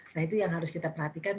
nah itu yang harus kita perhatikan